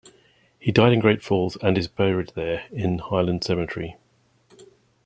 He died in Great Falls and is buried there in Highland Cemetery.